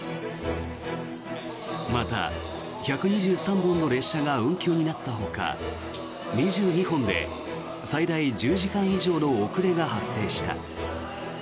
また、１２３本の列車が運休になったほか２２本で最大１０時間以上の遅れが発生した。